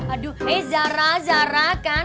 aduh eh zara zara kan